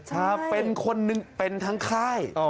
ครับเป็นคนหนึ่งเป็นทั้งค่าย